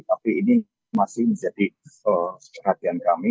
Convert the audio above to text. tapi ini masih menjadi perhatian kami